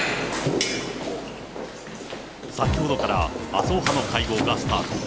先ほどから麻生派の会合がスタート。